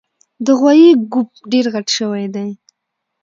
د غوایي ګوپ ډېر غټ شوی دی